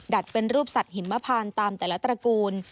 เป็นรูปสัตว์หิมพานตามแต่ละตระกูล